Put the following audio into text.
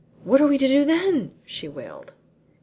"What are we to do then?" she wailed.